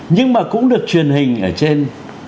nhưng mà cũng được truyền hình ở trên